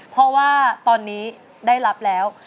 เพราะว่าตอนนี้ได้รับแล้ว